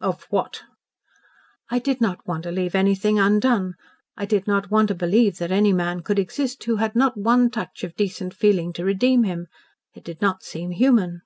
"Of what?" "I did not want to leave anything undone. I did not want to believe that any man could exist who had not one touch of decent feeling to redeem him. It did not seem human."